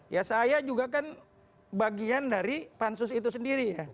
ya saya juga kan bagian dari pansus itu sendiri ya